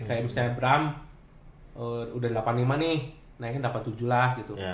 kayak misalnya abraham udah delapan puluh lima nih naikin delapan puluh tujuh lah gitu